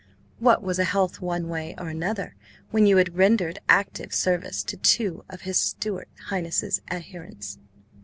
What was a health one way or another when you had rendered active service to two of his Stuart Highness's adherents?